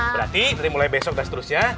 berarti nanti mulai besok dan seterusnya